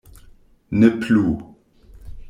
Ne plu.